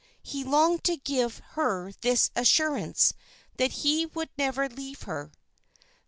He longed to give her this assurance that he would never leave her."